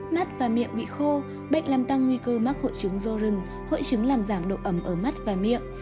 mắt và miệng bị khô bệnh làm tăng nguy cơ mắc hội chứng ro rừng hội chứng làm giảm độ ẩm ở mắt và miệng